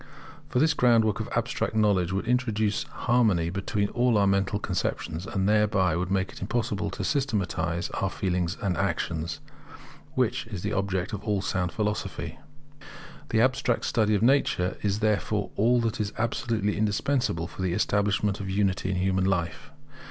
For this groundwork of abstract knowledge would introduce harmony between all our mental conceptions, and thereby would make it impossible to systematize our feelings and actions, which is the object of all sound philosophy. The abstract study of nature is therefore all that is absolutely indispensable for the establishment of unity in human life.